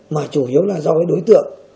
mà chủ yếu là do cái đối tượng